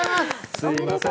すみません。